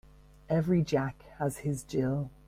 Every Jack has his Jill.